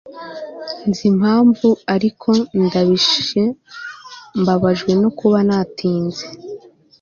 nzi impamvu, ariko ndabish mbabajwe no kuba natinze